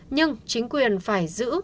nhưng chính quyền phải giữ